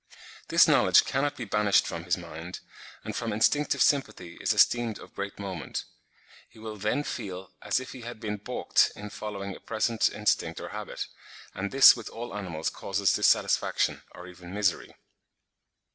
This knowledge cannot be banished from his mind, and from instinctive sympathy is esteemed of great moment. He will then feel as if he had been baulked in following a present instinct or habit, and this with all animals causes dissatisfaction, or even misery.